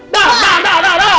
dah dah dah dah dah